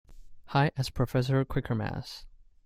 High as Professor Quakermass.